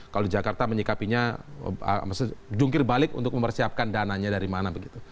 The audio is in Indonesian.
kalau di jakarta menyikapinya maksudnya jungkir balik untuk mempersiapkan dananya dari mana begitu